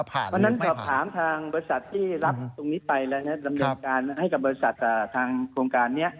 ดำเนินการให้กับบริษัททางโครงการนี้